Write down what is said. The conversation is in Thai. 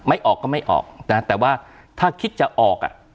ไม่ออกก็ไม่ออกนะแต่ว่าถ้าคิดจะออกอ่ะ